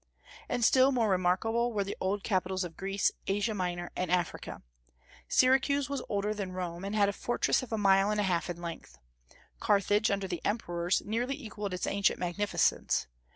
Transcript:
And still more remarkable were the old capitals of Greece, Asia Minor, and Africa. Syracuse was older than Rome, and had a fortress of a mile and a half in length. Carthage, under the emperors, nearly equalled its ancient magnificence.